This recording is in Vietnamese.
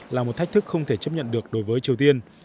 là một thách thức không thể chấp nhận được đối với triều tiên